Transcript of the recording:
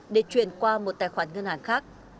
để chuyển qua một tài khoản ngân hàng khác